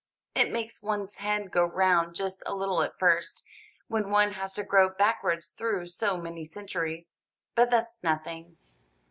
It makes one's head go round just a little at first, when one has to grope backwards through so many centuries, but that's nothing."